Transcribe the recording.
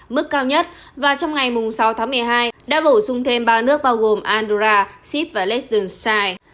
mức cao nhất và trong ngày sáu tháng một mươi hai đã bổ sung thêm ba nước bao gồm andorra sip và leicester